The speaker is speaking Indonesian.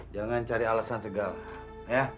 jangan cari alasan segala ya